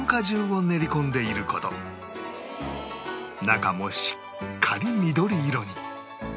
中もしっかり緑色に